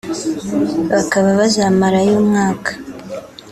bakaba bazamara yo umwaka